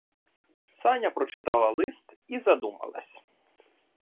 Саня прочитала лист і задумалась.